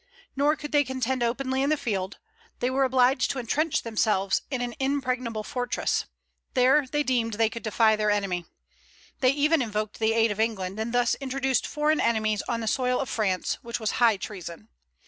Nor could they contend openly in the field; they were obliged to intrench themselves in an impregnable fortress: there they deemed they could defy their enemy. They even invoked the aid of England, and thus introduced foreign enemies on the soil of France, which was high treason.